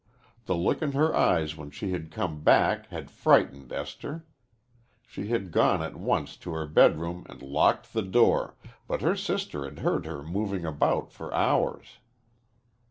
The look in her eyes when she had come back had frightened Esther. She had gone at once to her bedroom and locked the door, but her sister had heard her moving about for hours.